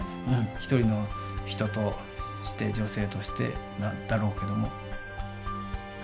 一人の人として女性としてだろうけども。